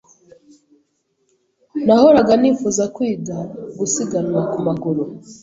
Nahoraga nifuza kwiga gusiganwa ku maguru.